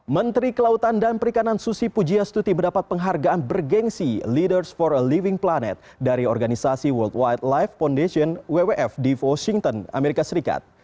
menteri kelautan dan perikanan susi pujiastuti mendapat penghargaan bergensi leaders for a living planet dari organisasi worldwide life foundation wwf di washington amerika serikat